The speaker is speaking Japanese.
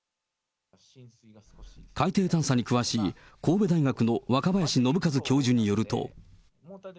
海底探査に詳しい神戸大学の若林伸和教授によると。